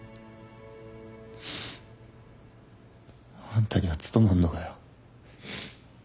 あんたには務まんのかよ。